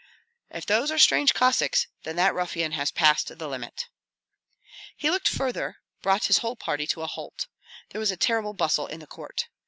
"If those are strange Cossacks, then that ruffian has passed the limit." He looked farther; brought his whole party to a halt. There was a terrible bustle in the court.